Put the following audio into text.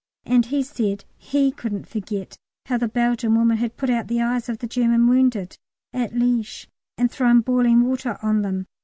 And he said he couldn't forget how the Belgian women had put out the eyes of the German wounded at Liège and thrown boiling water on them.